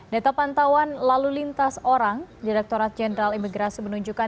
data pantauan lalu lintas orang direkturat jenderal imigrasi menunjukkan